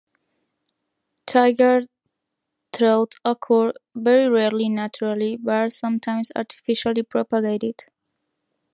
Tiger trout occur very rarely naturally, but are sometimes artificially propagated.